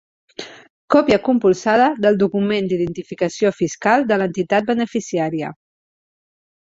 Còpia compulsada del document d'identificació fiscal de l'entitat beneficiària.